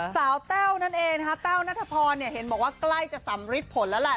แต้วนั่นเองนะคะแต้วนัทพรเนี่ยเห็นบอกว่าใกล้จะสำริดผลแล้วแหละ